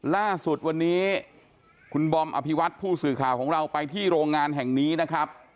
ล่าสุดวันนี้คุณบอมอภิวัตผู้สื่อข่าวของเราไปที่โรงงานแห่งนี้นะครับ